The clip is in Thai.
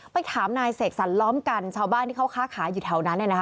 ไปถามนายเสกสันล้อมกันชาวบ้านที่เขาค้าอยู่แถวนั้นเนี่ยนะคะ